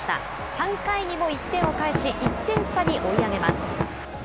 ３回にも１点を返し、１点差に追い上げます。